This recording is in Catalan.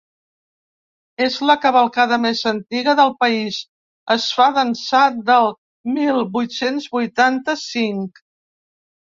És la cavalcada més antiga del país, es fa d’ençà del mil vuit-cents vuitanta-cinc.